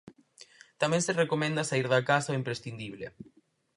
Tamén se recomenda saír da casa o imprescindible.